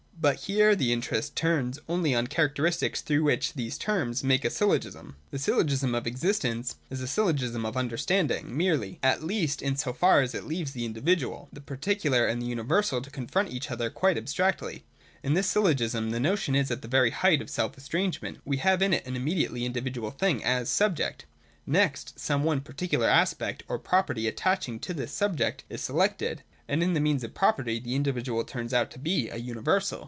But here the interest turns only on the characteristics through which these terms make a syllogism. The syllogism of existence is a syllogism of understanding merely, at least in so far as it leaves the individual, the particular, and the universal to confront each other quite abstractly. In this syllogism the notion is at the very height of self estrangement. We have in it an immediately individual thing as subject : next some one particular aspect or property attaching to this subject is selected, and by means of this property the individual turns out to be a universal.